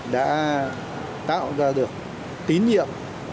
đã tạo ra được tín nhiệm